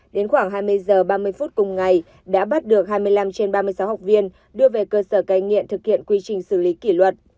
đến khoảng hai mươi h ba mươi phút cùng ngày đã bắt được hai mươi năm trên ba mươi sáu học viên đưa về cơ sở cai nghiện thực hiện quy trình xử lý kỷ luật